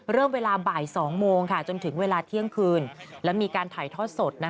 เวลาบ่าย๒โมงจนถึงเวลาเที่ยงคืนและมีการถ่ายทอดสด